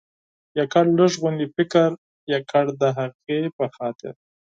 یوازې لږ غوندې فکر، یوازې د هغې په خاطر.